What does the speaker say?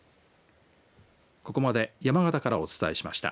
ここまで山形からお伝えしました。